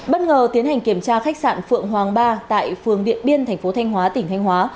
bất ngờ tiến hành kiểm tra khách sạn phượng hoàng ba tại phường điện biên thành phố thanh hóa tỉnh thanh hóa